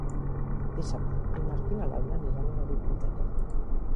Dissabte en Marc i na Laura aniran a la biblioteca.